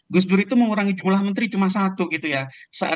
gus dur itu mengurangi jumlah menteri cuma satu gitu ya